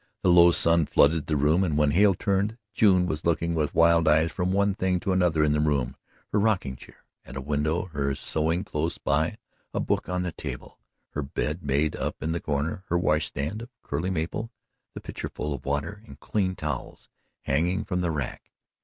The low sun flooded the room and when Hale turned, June was looking with wild eyes from one thing to another in the room her rocking chair at a window, her sewing close by, a book on the table, her bed made up in the corner, her washstand of curly maple the pitcher full of water and clean towels hanging from the rack.